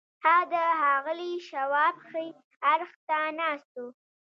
هغه د ښاغلي شواب ښي اړخ ته ناست و.